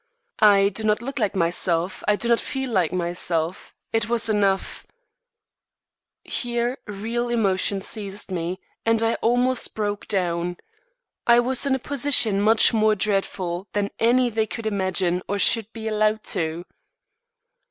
I do not look like myself I do not feel like myself; it was enough " Here real emotion seized me and I almost broke down. I was in a position much more dreadful than any they could imagine or should be allowed to.